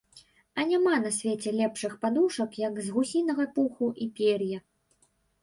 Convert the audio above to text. А няма на свеце лепшых падушак, як з гусінага пуху і пер'я.